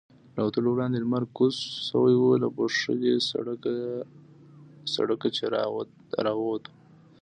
له وتلو وړاندې لمر کوز شوی و، له پوښلي سړکه چې را ووتو.